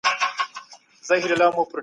مشوره بريا راوړي.